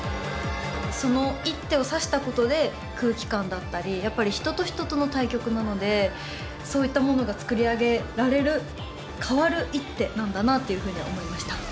その一手を指したことで空気感だったりやっぱり人と人との対局なのでそういったものが作り上げられる変わる一手なんだなっていうふうには思いました。